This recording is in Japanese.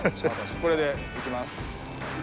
これで行きます。